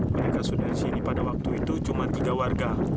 mereka sudah disini pada waktu itu cuma tiga warga